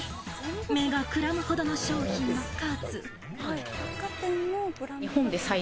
目がくらむほどの商品の数。